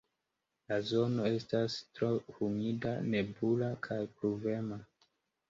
La zono estas tro humida, nebula kaj pluvema.